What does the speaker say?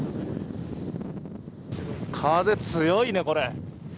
風、強いね、これ。